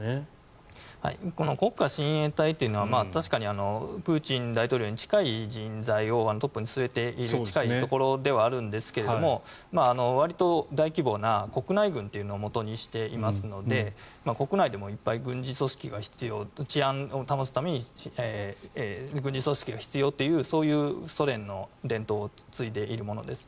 この国家親衛隊というのは確かにプーチン大統領に近い人材をトップに据えている近いところではあるんですがわりと大規模な国内軍というのを元にしていますので国内でもいっぱい軍事組織が必要治安を保つために軍事組織が必要というそういうソ連の伝統を継いでいるものです。